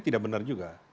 tidak benar juga